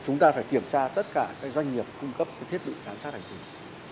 chúng ta phải kiểm tra tất cả các doanh nghiệp cung cấp thiết bị giám sát hành trình